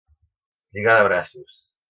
Lligar de braços.